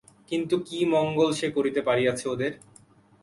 কিন্তু কী মঙ্গল সে করিতে পারিয়াছে ওদের?